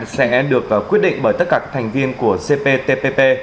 sẽ được quyết định bởi tất cả thành viên của cptpp